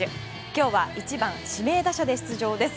今日は１番指名打者で出場です。